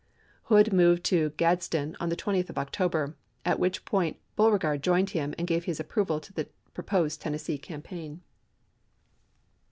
Hood moved to Gads den on the 20th of October, at which point Beau regard joined him, and gave his approval to the proposed Tennessee campaign.